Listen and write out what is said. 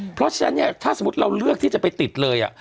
เพราะฉะนั้นเนี่ยถ้าสมมุติเราเลือกที่จะไปติดเลย